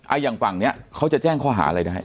อย่างฝั่งเนี้ยเขาจะแจ้งข้อหาอะไรได้